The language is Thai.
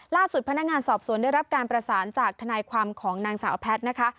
ล่าสุดพนักงานสอบสวนได้รับการประสานจากทนายความของนางสาวแพทย์นะคะ